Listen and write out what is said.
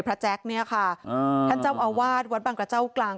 แจ๊คเนี่ยค่ะท่านเจ้าอาวาสวัดบังกระเจ้ากลาง